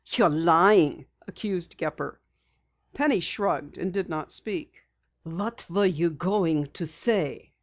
"You're lying," accused Gepper. Penny shrugged and did not speak. "What were you going to say?"